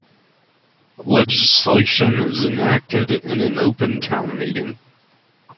Legislation is enacted in an Open Town Meeting.